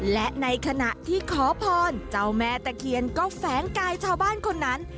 และในขณะที่ขอพรเจ้าแม่ตะเคียนก็แฝงกายชาวบ้านคนนั้น